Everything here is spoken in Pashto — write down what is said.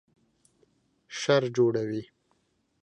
شر جوړوي